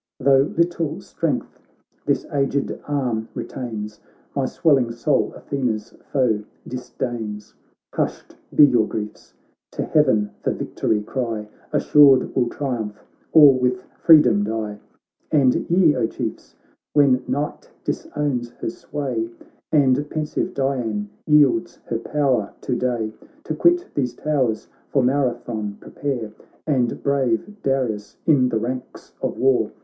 Tho' little strength this aged arm re tains, My swelling soul Athena's foe disdains ; Hushed be your griefs, to heaven for victory cry, Assured we'll triumph or with freedom die. And ye, O Chiefs, when night disowns her sway, And pensive Dian yields her power to day, To quit these towers for Marathon pre pare, And brave Darius in the ranks of war.